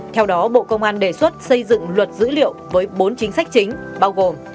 theo đó bộ công an đề xuất xây dựng luật dữ liệu với bốn chính sách chính bao gồm